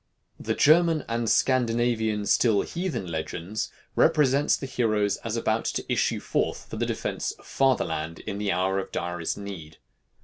The German and Scandinavian still heathen legends represent the heroes as about to issue forth for the defence of Fatherland in the hour of direst need.